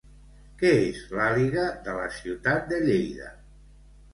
Què és L'Àliga de la Ciutat de Lleida?